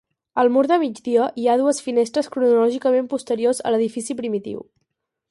Al mur de migdia hi ha dues finestres cronològicament posteriors a l’edifici primitiu.